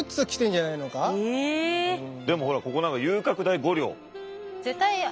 でもほらここなんか遊郭代５両。